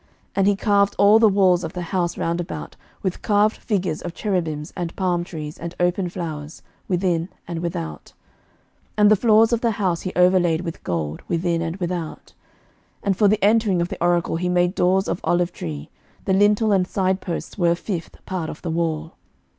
11:006:029 And he carved all the walls of the house round about with carved figures of cherubims and palm trees and open flowers, within and without. 11:006:030 And the floors of the house he overlaid with gold, within and without. 11:006:031 And for the entering of the oracle he made doors of olive tree: the lintel and side posts were a fifth part of the wall.